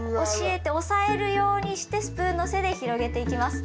押さえるようにしてスプーンの背で広げていきます。